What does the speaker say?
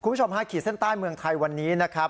คุณผู้ชมฮะขีดเส้นใต้เมืองไทยวันนี้นะครับ